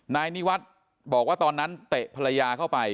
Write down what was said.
นายนิวัฒน์บอกว่าตอนนั้นเตะภรรยาเข้าไป